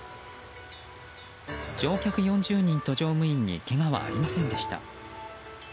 乗客４０人と乗務員にけがはありませんでした。